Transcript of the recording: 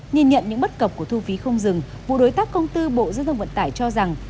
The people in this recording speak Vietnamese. nhìn nhận những bất cập của thu phí không dừng bộ đối tác công tư bộ giao thông vận tải cho rằng